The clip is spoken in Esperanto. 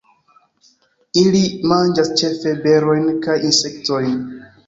Ili manĝas ĉefe berojn kaj insektojn.